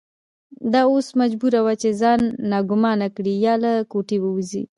دا اوس مجبوره وه چې ځان ناګومانه کړي یا له کوټې ووځي.